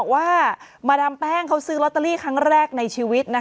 ว่ามาดามแป้งเขาซื้อลอตเตอรี่ครั้งแรกในชีวิต